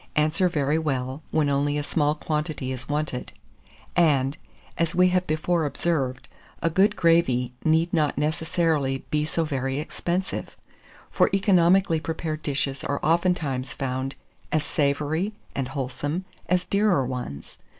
answer very well when only a small quantity is wanted, and, as we have before observed, a good gravy need not necessarily be so very expensive; for economically prepared dishes are oftentimes found as savoury and wholesome as dearer ones.